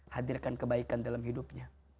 hadirkan kebaikan dalam hidupnya